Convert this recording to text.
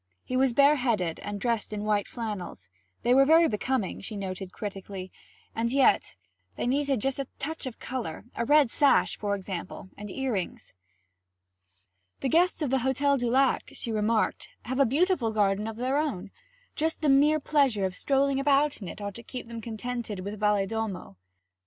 He was bareheaded and dressed in white flannels; they were very becoming, she noted critically, and yet they needed just a touch of colour; a red sash, for example, and earrings. 'The guests of the Hotel du Lac,' she remarked, 'have a beautiful garden of their own. Just the mere pleasure of strolling about in it ought to keep them contented with Valedolmo.'